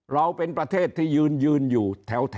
เราเป็นประเทศที่ยืนอยู่แถว